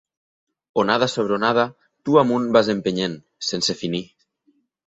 Onada sobre onada, tu amunt vas empenyent, sense finir.